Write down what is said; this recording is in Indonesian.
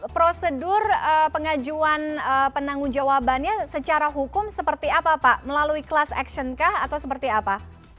prosedur pengajuan penanggung jawabannya secara hukum seperti apa pak melalui class action kah atau seperti apa